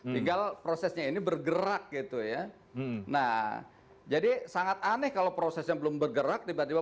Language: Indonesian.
tinggal prosesnya ini bergerak gitu ya nah jadi sangat aneh kalau prosesnya belum bergerak tiba tiba